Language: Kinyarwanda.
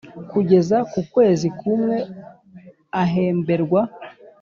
kugeza ku kwezi kumwe ahemberwa